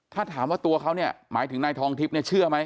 ถ้าถามว่าตัวเขาเนี่ยหมายถึงนายทองทิพย์เนี่ยเชื่อไหม